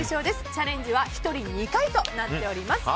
チャレンジは１人２回となっております。